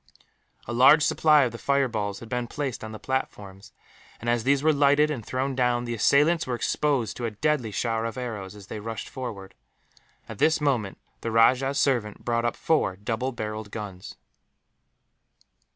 A large supply of the fireballs had been placed on the platforms and, as these were lighted and thrown down, the assailants were exposed to a deadly shower of arrows as they rushed forward. At this moment the rajah's servant brought up four double barrelled guns.